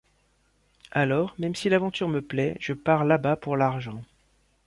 Alors, même si l'aventure me plaît, je pars là-bas pour l´argent.